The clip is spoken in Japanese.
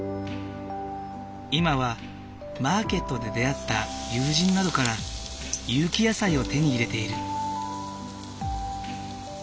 今はマーケットで出会った友人などから有機野菜を手に入れている。